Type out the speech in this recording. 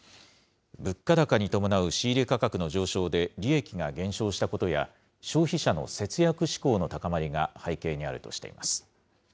物価高に伴う仕入れ価格の上昇で、利益が減少したことや、消費者の節約志向の高まりが背景にあるとしています。